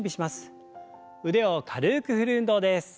腕を軽く振る運動です。